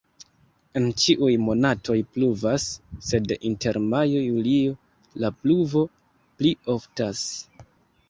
En ĉiuj monatoj pluvas, sed inter majo-julio la pluvo pli oftas.